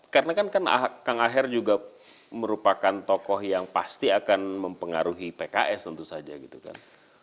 karena kan kang aher juga merupakan tokoh yang pasti akan mempengaruhi pks tentu saja gitu kan